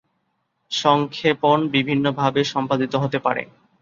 সংক্ষেপণ বিভিন্নভাবে সম্পাদিত হতে পারে।